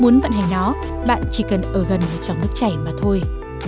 muốn vận hành nó bạn chỉ cần ở gần dòng nước chảy mà thôi